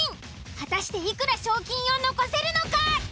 果たしていくら賞金を残せるのか！？